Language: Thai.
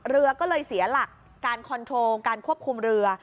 เรือก็เลยเสียหลักการคอนโทรลการควบคุมเรือ